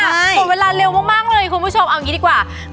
หมดเวลาเร็วมากเลยคุณผู้ชมเอาอย่างนี้ดีกว่า